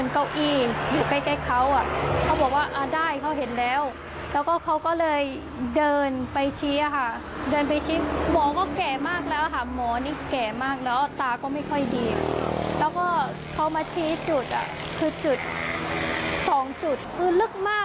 คือลึกมากแล้วแล้วก็ไม่เจอ